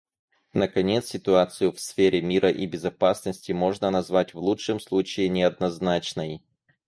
Наконец, ситуацию в сфере мира и безопасности можно назвать, в лучшем случае, неоднозначной.